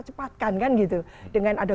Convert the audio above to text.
cepatkan dengan ada